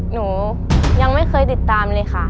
หนูยังไม่เคยติดตามเลยค่ะ